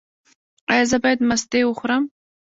ایا زه باید مستې وخورم؟